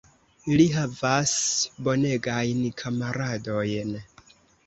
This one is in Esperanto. Li havas bonegajn kamaradojn.